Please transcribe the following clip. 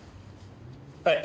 はい。